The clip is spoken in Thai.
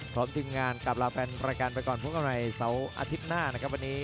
พร้อมทีมงานกลับลาแฟนรายการไปก่อนพบกันใหม่เสาร์อาทิตย์หน้านะครับวันนี้